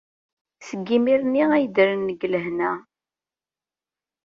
Seg yimir-nni ay ddren deg lehna.